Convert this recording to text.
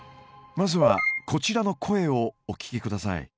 まずはこちらの声をお聞きください。